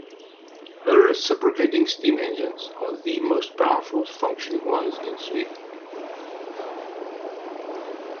Her reciprocating steam engines are the most powerful functioning ones in Sweden.